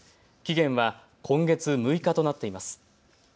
期限は今月６日となっています。